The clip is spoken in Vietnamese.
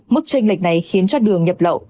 mức tranh lệch này khiến cho đường nhập lậu